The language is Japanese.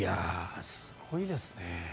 すごいですね。